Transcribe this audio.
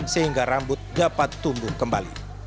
sehingga rambut dapat tumbuh kembali